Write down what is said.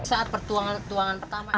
saat pertuangan pertama